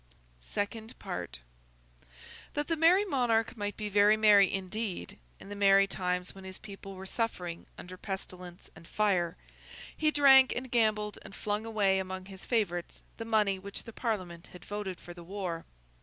SECOND PART That the Merry Monarch might be very merry indeed, in the merry times when his people were suffering under pestilence and fire, he drank and gambled and flung away among his favourites the money which the Parliament had voted for the war.